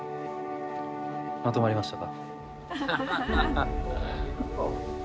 まとまりましたか？